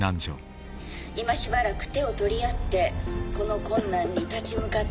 「今しばらく手を取り合ってこの困難に立ち向かっていただきたく思います」。